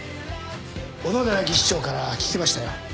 小野寺技師長から聞きましたよ。